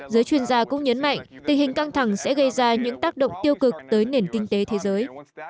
giới chuyên gia cũng nhấn mạnh tình hình căng thẳng sẽ gây ra những tác động tiêu cực tới nền kinh tế thế giới